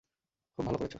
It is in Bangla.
খুব ভালো করেছো।